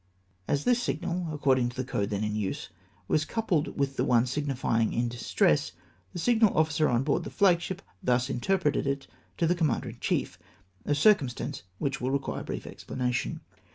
387 As this signal, according to the code then in use, was coupled with the one signifying " In distress,^' the signal officer on board the flagship thus interpreted it to the commander in chief ; a circumstance which will require brief explanation.